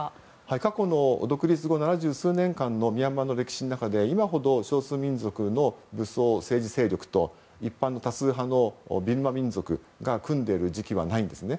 過去の独立後七十数年間のミャンマーの歴史の中で今ほど少数民族の武装政治勢力と一般の多数派のビルマ民族が組んでいる時期はないんですね。